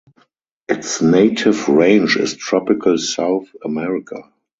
Its native range is tropical South America.